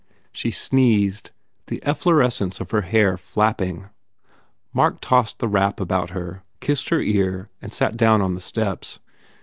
She sneezed, the efflorescence of her hair flap ping. Mark tossed the wrap about her, kissed her ear and sat down on the steps.